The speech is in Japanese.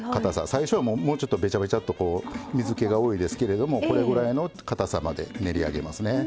最初はもうちょっとべちゃべちゃっとこう水けが多いですけれどもこれぐらいのかたさまで練り上げますね。